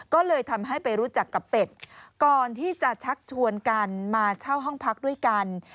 ก็เลยทำให้ไปรู้จักกับเป็ดก่อนที่จะชักชวนกันมาเช่าห้องพักด้วยกัน